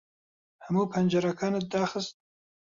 ھەموو پەنجەرەکانت داخست؟